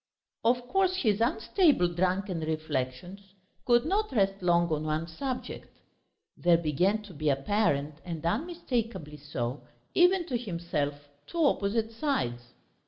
Of course his unstable drunken reflections could not rest long on one subject; there began to be apparent and unmistakably so, even to himself, two opposite sides.